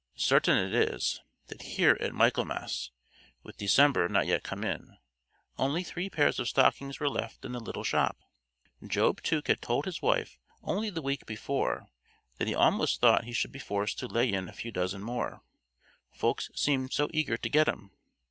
Certain it is, that here at Michaelmas, with December not yet come in, only three pairs of stockings were left in the little shop. Job Tuke had told his wife only the week before that he almost thought he should be forced to lay in a few dozen more, folks seemed so eager to get 'em.